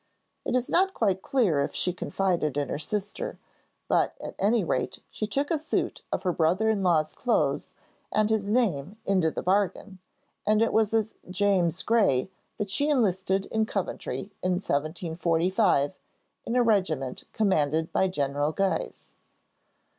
It is not quite clear if she confided in her sister, but at any rate she took a suit of her brother in law's clothes and his name into the bargain, and it was as 'James Gray' that she enlisted in Coventry in 1745, in a regiment commanded by General Guise.